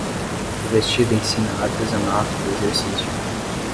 O vestido ensina artesanato e exercício.